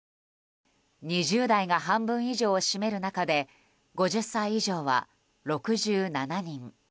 ２０代が半分以上を占める中で５０歳以上は６７人。